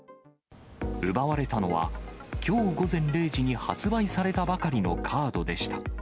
奪われたのは、きょう午前０時に発売されたばかりのカードでした。